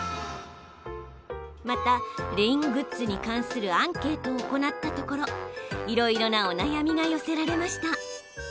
また、レイングッズに関するアンケートを行ったところいろいろなお悩みが寄せられました。